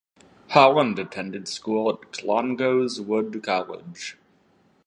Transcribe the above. Holland attended school at Clongowes Wood College.